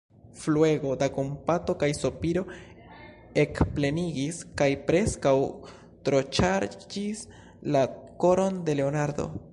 Fluego da kompato kaj sopiro ekplenigis kaj preskaŭ troŝarĝis la koron de Leonardo.